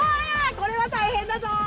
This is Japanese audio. これは大変だぞ。